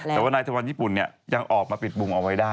แต่ว่านายทะวันญี่ปุ่นเนี่ยยังออกมาปิดมุมเอาไว้ได้